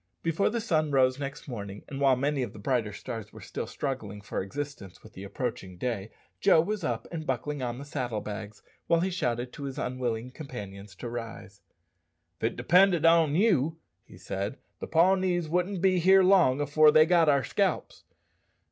Before the sun rose next morning, and while many of the brighter stars were still struggling for existence with the approaching day, Joe was up and buckling on the saddle bags, while he shouted to his unwilling companions to rise. "If it depended on you," he said, "the Pawnees wouldn't be long afore they got our scalps.